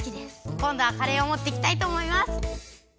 こんどはカレーをもっていきたいと思います。